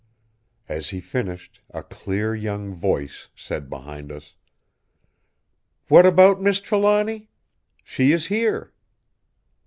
As he finished a clear young voice said behind us: "What about Miss Trelawny? She is here!"